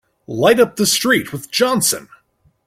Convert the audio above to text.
Light up with the street with Johnson!